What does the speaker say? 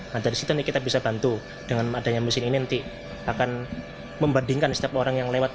nah dari situ kita bisa bantu dengan adanya mesin ini nanti akan membandingkan setiap orang yang lewat